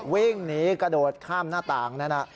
วิ่งหนีกระโดดข้ามหน้าต่างนั้น